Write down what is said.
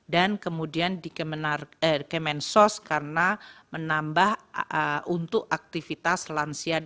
dan kemudian di kemensos karena menambah untuk aktivitas lansianya